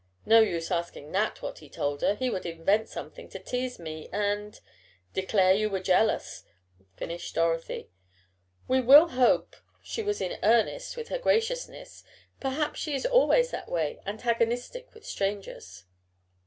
No use asking Nat what he told her, he would invent something to tease me and " "Declare you were jealous," finished Dorothy. "We will hope she was in earnest with her graciousness perhaps she is always that way antagonistic with strangers."